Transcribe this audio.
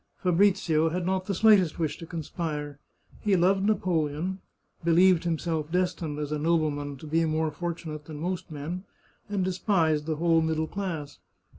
Fabrizio had not the slightest wish to conspire. He loved Napoleon, believed himself destined, as a nobleman, to be more fortunate than most men, and despised the whole middle class.